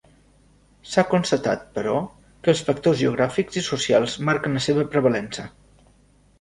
S'ha constatat, però, que els factors geogràfics i socials marquen la seva prevalença.